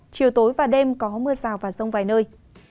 chiều tối và đêm có mưa rào và rông vài nơi